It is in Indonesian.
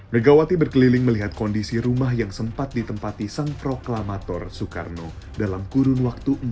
megawati berkeliling melihat kondisi rumah yang sempat ditempati sang proklamator soekarno dalam kurun waktu